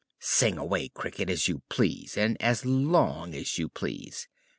"Sing away, Cricket, as you please, and as long as you please.